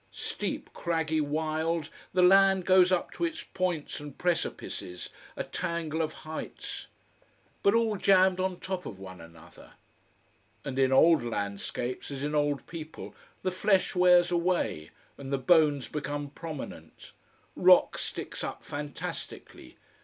Steep, craggy, wild, the land goes up to its points and precipices, a tangle of heights. But all jammed on top of one another. And in old landscapes, as in old people, the flesh wears away, and the bones become prominent. Rock sticks up fantastically.